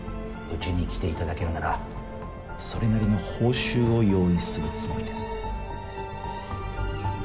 うちに来て頂けるならそれなりの報酬を用意するつもりです。